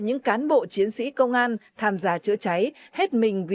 những cán bộ chiến sĩ công an tham gia trợ cháy hết mình vì nhân dân phục vụ